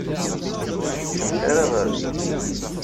Ur keččmet ara ɣer din.